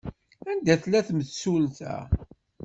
Anda tella temsulta?